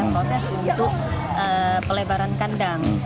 proses untuk pelebaran kandang